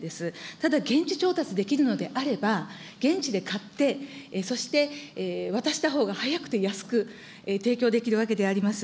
ただ、現地調達できるのであれば、現地で買って、そして渡したほうが安くて、早く、提供できるわけであります。